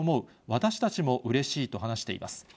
私たちもうれしいと話しています。